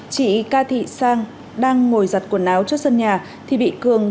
chị ca thị sang đang ngồi giặt quần áo trước sân nhà thì bị cường